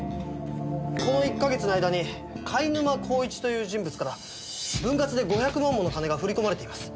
この１か月の間にカイヌマコウイチという人物から分割で５００万もの金が振り込まれています。